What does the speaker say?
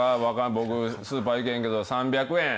僕、スーパー行かへんけど、３００円。